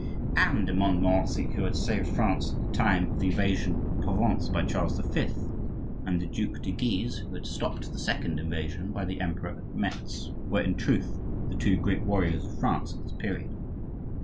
Anne de Montmorency, who had saved France at the time of the invasion of Provence by Charles V., and the Duc de Guise, who had stopped the second invasion by the emperor at Metz, were, in truth, the two great warriors of France at this period.